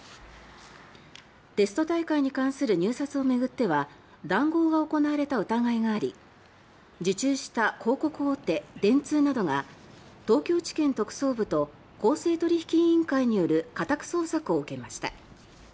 テスト大会に関する入札を巡っては談合が行われた疑いがあり受注した広告大手、電通などが東京地検特捜部と公正取引委員会による家宅捜索を受けました。